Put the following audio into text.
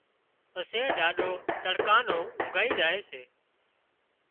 پسي ڏاڏو تڙڪا نو اونگھائي زائي سي